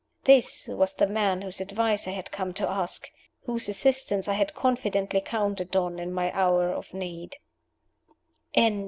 This was the man whose advice I had come to ask who assistance I had confidently counted on in my hour of need.